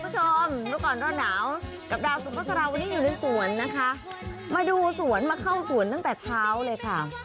สวัสดีค่าทุกคุณผู้ชมรับก่อนสะลาว